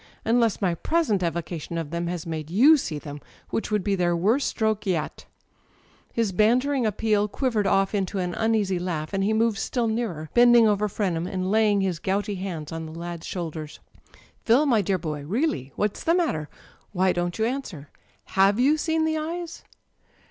Unless my present evocation of them has made you see them; which would be their worst stroke yet!" His bantering appeal quivered off into an uneasy [ 273 ] Digitized by LjOOQ IC THE EYES laugh, and he moved still nearer, bending over Fren ham, and laying his goutj hands^n the l ad'sjihoulder s. "Phil, my dear boy, really â€" ^what's the matter? Why don't you answer ? Have you seen the eyes